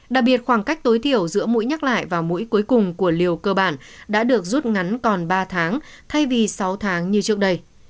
đặc biệt khoảng cách tối thiểu giữa mũi nhắc lại và mũi cuối cùng của liều cơ bản đã được rút ngắn còn ba tháng thay vì sáu tháng như trước đây